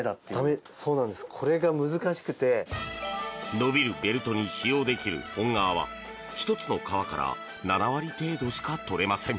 伸びるベルトに使用できる本革は１つの皮から７割程度しか取れません。